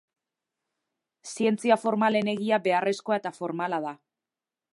Zientzia formalen egia beharrezkoa eta formala da.